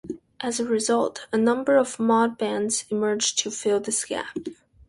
As a result, a number of mod bands emerged to fill this gap.